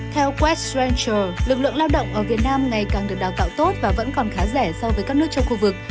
theo west srancual lực lượng lao động ở việt nam ngày càng được đào tạo tốt và vẫn còn khá rẻ so với các nước trong khu vực